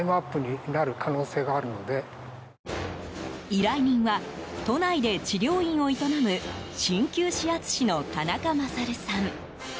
依頼人は、都内で治療院を営む鍼灸指圧師の田中勝さん。